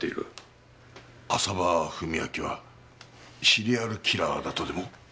浅羽史明はシリアルキラーだとでも？